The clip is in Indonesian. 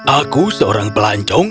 aku seorang pelancong